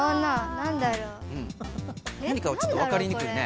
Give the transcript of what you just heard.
何かはちょっとわかりにくいね。